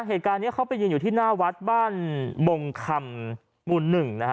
เหตุการณ์นี้เขาไปยืนอยู่ที่หน้าวัดบ้านบงคำหมู่หนึ่งนะฮะ